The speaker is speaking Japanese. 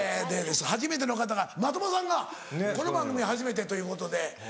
初めての方が的場さんがこの番組初めてということで。